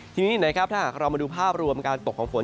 ทีนี้นะครับถ้าหากเรามาดูภาพรวมการตกของฝน